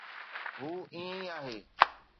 هو ائين ئي آهي